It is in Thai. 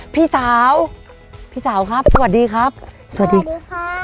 พี่สาวพี่สาวครับสวัสดีครับสวัสดีค่ะ